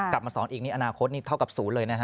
กลับมาสอนอีกนี่อนาคตนี่เท่ากับศูนย์เลยนะฮะ